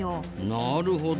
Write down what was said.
なるほど。